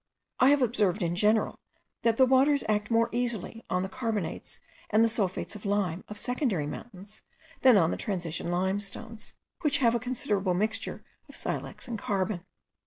I have observed in general, that the waters act more easily on the carbonates and the sulphates of lime of secondary mountains than on the transition limestones, which have a considerable mixture of silex and carbon.